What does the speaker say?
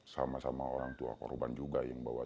sama sama orang tua korban juga yang bawa